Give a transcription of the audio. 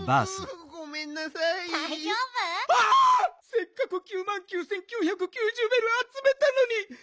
せっかく９万９，９９０ベルあつめたのに！